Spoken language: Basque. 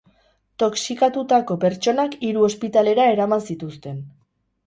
Toxikatutako pertsonak hiru ospitalera eraman zituzten.